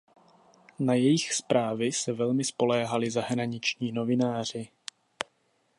Na jejich zprávy se velmi spoléhali zahraniční novináři.